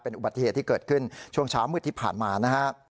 อุบัติเหตุที่เกิดขึ้นช่วงเช้ามืดที่ผ่านมานะฮะ